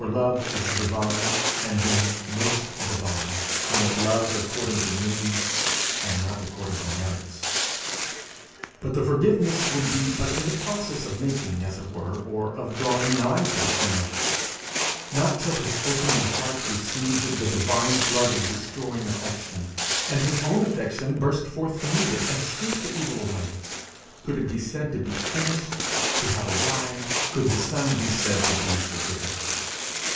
For love is divine, and then most divine when it loves according to needs and not according to merits. But the forgiveness would be but in the process of making, as it were, or of drawing nigh to the sinner. Not till his opening heart received the divine flood of destroying affection, and his own affection burst forth to meet it and sweep the evil away, could it be said to be finished, to have arrived, could the son be said to be forgiven.